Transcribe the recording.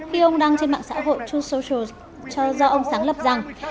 khi ông đăng trên mạng xã hội true socials cho do ông sáng lập rằng